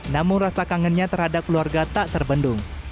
namun rasa kangennya terhadap keluarga tak terbendung